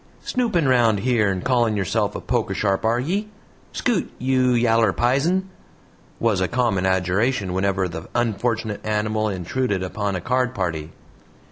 "Snoopin' round yere, and CALLIN' yourself a poker sharp, are ye! Scoot, you yaller pizin!" was a common adjuration whenever the unfortunate animal intruded upon a card party.